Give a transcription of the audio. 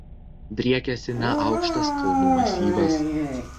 Driekiasi neaukštas kalnų masyvas.